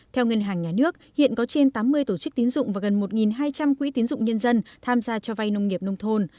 theo ngân hàng nhà nước hiện có trên tám mươi tổ chức tín dụng và gần một hai trăm linh quỹ tín dụng nhân dân tham gia cho vay nông nghiệp nông thôn